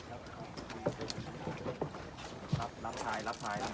สวัสดีครับทุกคน